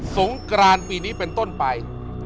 สงกรานปีนี้เป็นต้นไป